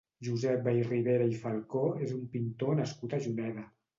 Josep Vallribera i Falcó és un pintor nascut a Juneda.